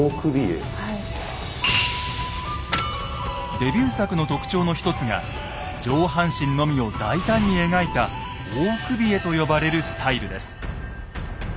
デビュー作の特徴の一つが上半身のみを大胆に描いた大首絵と呼ばれるスタイルです。